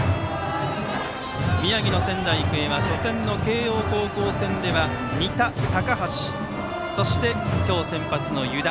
宮城の仙台育英は初戦の慶応高校戦では仁田、高橋そして今日先発の湯田。